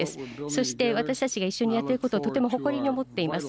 そして私たちがやっていることをとても誇りに思っています。